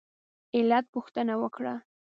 علت پوښتنه وکړه.